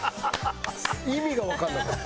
意味がわかんなかった。